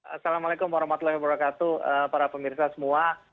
assalamualaikum warahmatullahi wabarakatuh para pemirsa semua